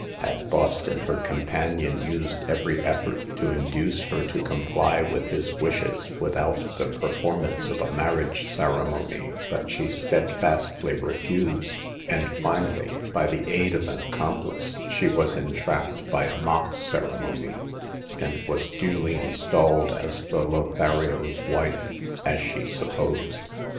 At Boston her companion used every effort to induce her to comply with his wishes without the performance of a mar riage ceremony, but she steadfastly refused, and finally, by the aid of an accomplice, she was entrapped by a mock ceremony, and was duly installed as the Lothario's wife (as she supposed).